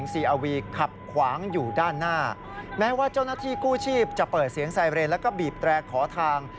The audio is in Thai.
ส่วนหน้าที่กู้ชีพจะเปิดเสียงไซเรนด์แล้วก็บีบแตรกขอทาง